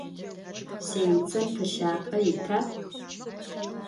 Sêntsem pılhap'e yita?